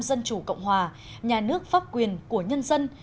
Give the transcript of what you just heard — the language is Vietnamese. dân chủ cộng hòa nhà nước pháp quyền của nhân dân